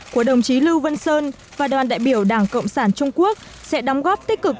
của đồng chí lưu vân sơn và đoàn đại biểu đảng cộng sản trung quốc sẽ đóng góp tích cực